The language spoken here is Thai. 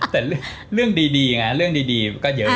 แต่เรื่องดีไงเรื่องดีก็เยอะ